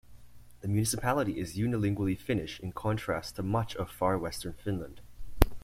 The municipality is unilingually Finnish in contrast to much of far-western Finland.